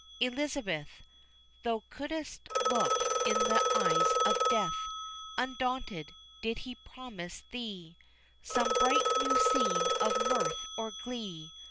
Elizabeth, Thou couldst look in the eyes of Death, Undaunted, did he promise thee Some bright new scene of mirth or glee.